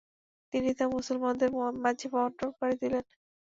তিনি তা মুসলমানদের মাঝে বন্টন করে দিলেন।